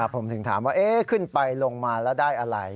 ผมถึงถามว่าขึ้นไปลงมาแล้วได้อะไร